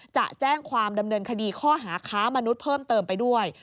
จะแจ้งความดำเนินคดีข้อหาค้ามนุษย์เพิ่มเติมไปด้วย